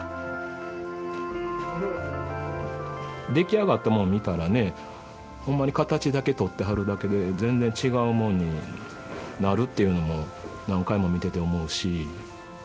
出来上がったもの見たらねほんまに形だけとってはるだけで全然違うもんになるっていうのも何回も見てて思うし。